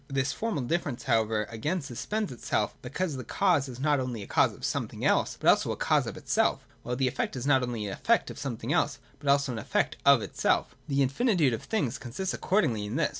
This formal difference however again suspends itself, because the cause is not only a cause of something else, but also a cause of itself ; while the effect is not only an effect of something else, but also an effect of itself. The finitude of things consists accordingly in this.